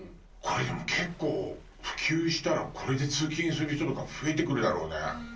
これでも結構普及したらこれで通勤する人とか増えてくるだろうね。